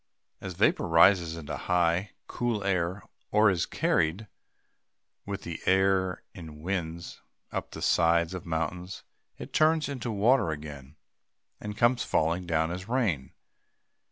As vapor rises into high, cool air, or is carried with the air in winds up the sides of mountains, it turns into water again, and comes falling down as rain.